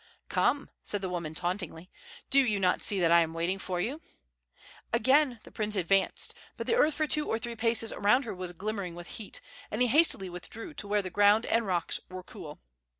"Come," said the woman tauntingly; "do you not see that I am waiting for you?" Again the prince advanced, but the earth for two or three paces around her was glimmering with heat, and he hastily withdrew to where the ground and rocks were cool.